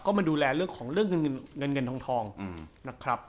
ก็มาดูแลเรื่องของเรื่องเงินเงินทองนะครับ